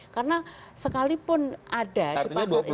karena sekalipun ada di pasar internasional